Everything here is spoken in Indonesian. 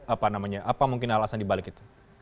apa namanya apa mungkin alasan dibalik itu